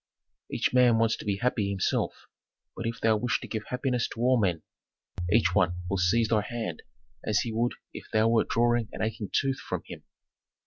"Each man wants to be happy himself; but if thou wish to give happiness to all men, each one will seize thy hand as he would if thou wert drawing an aching tooth from him.